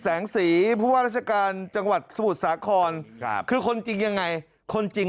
แสงสีผู้ว่าราชการจังหวัดสมุทรสาครครับคือคนจริงยังไงคนจริง